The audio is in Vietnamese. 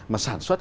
mà sản xuất